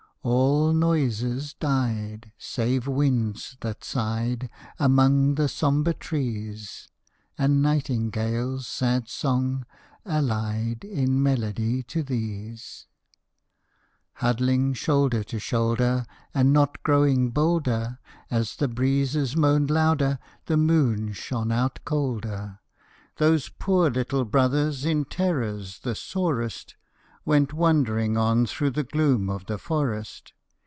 All noises died Save winds that sighed Among the sombre trees, And nightingale's sad song, allied In melody to these ! Huddling shoulder to shoulder, And not growing bolder, As the breezes moaned louder, the moon shone out colder, Those poor little brothers in terrors the sorest, Went wandering on through the gloom of the forest.